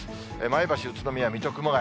前橋、宇都宮、水戸、熊谷。